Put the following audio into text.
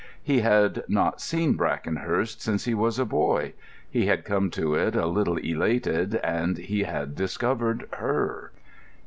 He had not seen Brackenhurst since he was a boy. He had come to it a little elated, and he had discovered her.